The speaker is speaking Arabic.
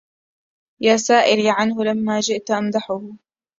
يا سائلي عنه لما جئت أمدحه